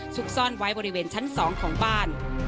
ซุกซ่อนไว้บริเวณชั้น๒ของบ้าน